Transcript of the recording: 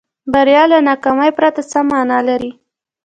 بریا له ناکامۍ پرته څه معنا لري.